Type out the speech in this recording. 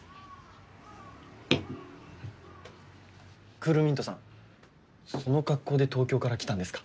クールミントさんその格好で東京から来たんですか？